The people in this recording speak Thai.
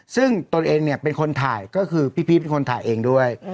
ซึ่งตนเองเนี่ยเป็นคนถ่ายก็คือพี่พีชเป็นคนถ่ายเองด้วย